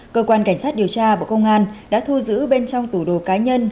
cơ quan cảnh sát điều tra bộ công an đã thu giữ bên trong tủ đồ cá nhân